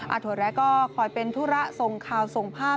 อาถวันแล้วก็คอยเป็นธุระทรงข่าวทรงภาพ